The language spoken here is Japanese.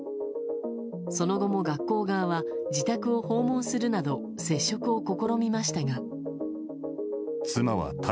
その後も学校側は自宅を訪問するなど接触を試みましたが。